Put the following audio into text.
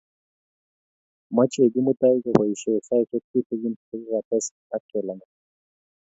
Mochei Kimutai koboishee saishek tutikin che kekates ak Jelagat